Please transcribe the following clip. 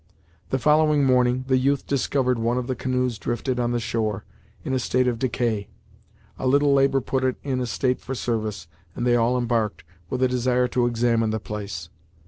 The following morning, the youth discovered one of the canoes drifted on the shore, in a state of decay. A little labor put it in a state for service, and they all embarked, with a desire to examine the place.